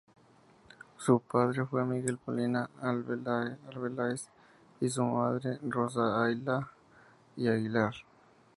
Su padre fue Miguel Molina y Arbeláez y su madre Rosa Ayala y Aguilar.